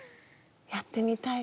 やってみたい。